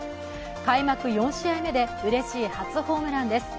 開幕４試合目でうれしい初ホームランです。